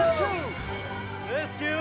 レスキュー！